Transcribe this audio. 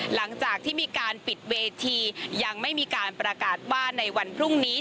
หลังจากที่มีการปิดเวทียังไม่มีการประกาศว่าในวันพรุ่งนี้